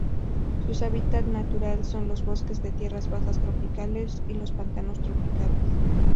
Su hábitat natural son los bosques de tierras bajas tropicales y los pantanos tropicales.